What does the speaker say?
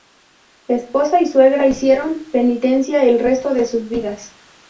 Esposa y suegra hicieron penitencia el resto de sus vidas.